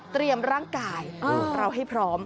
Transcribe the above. เตรียมร่างกายเราให้พร้อม